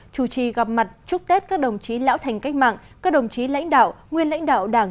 chủ trì gặp mặt chúc tết các đồng chí lão thành cách mạng các đồng chí lãnh đạo nguyên lãnh đạo đảng